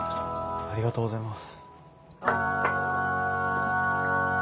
ありがとうございます。